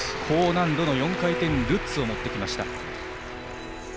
高難度の４回転ルッツを持ってきました。